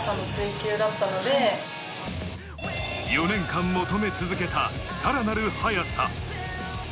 ４年間求め続けた、さらなる速さ。